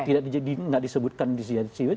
tidak disebutkan di situ